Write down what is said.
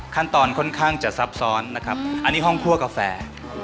ค่อนข้างจะซับซ้อนนะครับอันนี้ห้องคั่วกาแฟ